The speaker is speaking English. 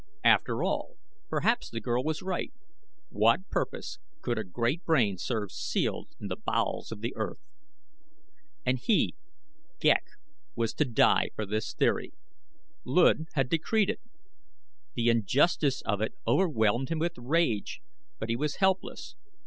After all perhaps the girl was right; what purpose could a great brain serve sealed in the bowels of the earth? And he, Ghek, was to die for this theory. Luud had decreed it. The injustice of it overwhelmed him with rage. But he was helpless.